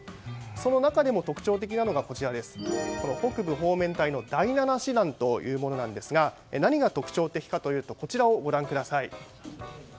その中でも特徴的なのが北部方面隊の第７師団というものなんですが何が特徴的かというとこちらをご覧ください。